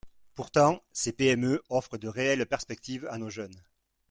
Pourtant, ces PME offrent de réelles perspectives à nos jeunes.